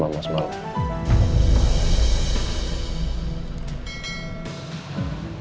pasalmu sudah kenapa semalam